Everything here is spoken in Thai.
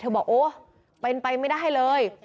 บอกโอ้เป็นไปไม่ได้เลย